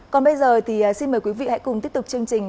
còn bây giờ thì xin mời quý vị hãy cùng tiếp tục chương trình